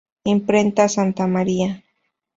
Imprenta Santa María.